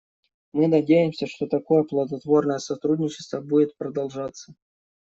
Мы надеемся, что такое плодотворное сотрудничество будет продолжаться.